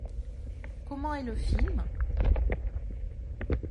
Comment est le film ?